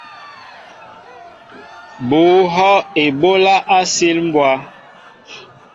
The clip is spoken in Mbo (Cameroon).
Bŭ ŋhɔʼ eɓólá á sil mbwá.